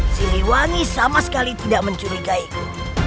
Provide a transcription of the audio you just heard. siliwangi sama sekali tidak mencurigaiku